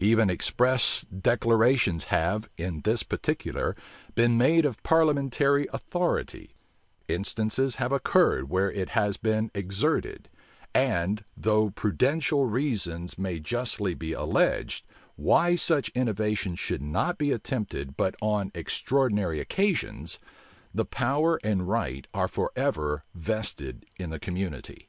Even express declarations have, in this particular, been made of parliamentary authority: instances have occurred where it has been exerted; and though prudential reasons may justly be alleged, why such innovations should not be attempted but on extraordinary occasions, the power and right are forever vested in the community.